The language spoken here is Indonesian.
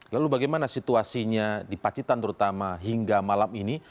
lalu bagaimana situasinya di pacitan terutama hingga malam ini